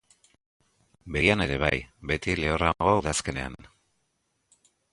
Begian ere bai, beti lehorrago udazkenean.